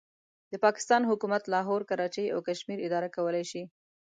د پاکستان حکومت لاهور، کراچۍ او کشمیر اداره کولای شي.